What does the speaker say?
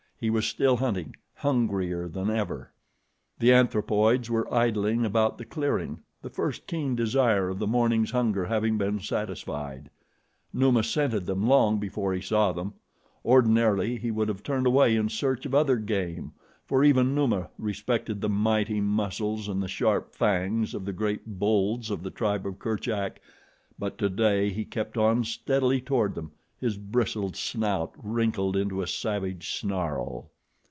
He was still hunting, hungrier than ever. The anthropoids were idling about the clearing, the first keen desire of the morning's hunger having been satisfied. Numa scented them long before he saw them. Ordinarily he would have turned away in search of other game, for even Numa respected the mighty muscles and the sharp fangs of the great bulls of the tribe of Kerchak, but today he kept on steadily toward them, his bristled snout wrinkled into a savage snarl.